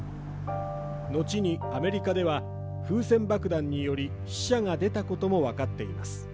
のちにアメリカでは風船爆弾により死者が出たことも分かっています。